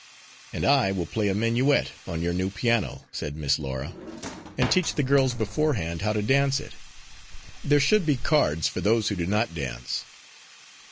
"And I will play a minuet on your new piano," said Miss Laura, "and teach the girls beforehand how to dance it. There should be cards for those who do not dance."